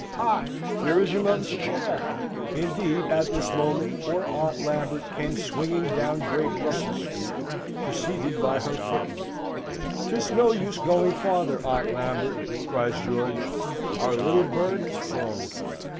"Ha! here is your mother's chair!" Indeed, at this moment poor Aunt Lambert came swinging down Great Russell Street, preceded by her footman. "'Tis no use going farther, Aunt Lambert!" cries George. "Our little bird has flown."